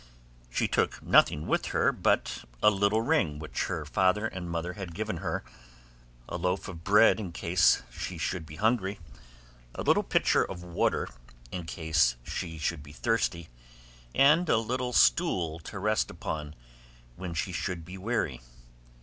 She took nothing with her but a little ring which her father and mother had given her, a loaf of bread in case she should be hungry, a little pitcher of water in case she should be thirsty, and a little stool to rest upon when she should be weary.